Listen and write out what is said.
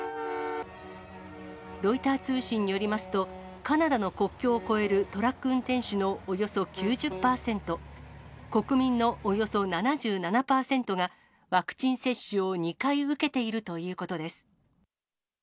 ロイター通信によりますと、カナダの国境を越えるトラック運転手のおよそ９０％、国民のおよそ７７％が、ワクチン接種を２回受けているということです。